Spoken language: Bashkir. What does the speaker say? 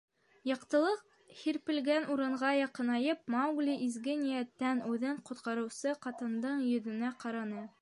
Яҡтылыҡ һирпелгән урынға яҡынайып, Маугли изге ниәттән үҙен ҡотҡарыусы ҡатындың йөҙөнә ҡараны.